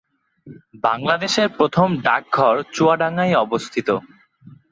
বাংলাদেশের প্রথম ডাকঘর চুয়াডাঙ্গায় অবস্থিত।